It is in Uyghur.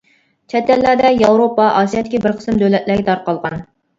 چەت ئەللەردە ياۋروپا، ئاسىيادىكى بىر قىسىم دۆلەتلەرگە تارقالغان.